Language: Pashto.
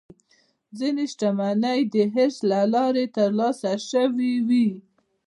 ځینې شتمنۍ د ارث له لارې ترلاسه شوې وي.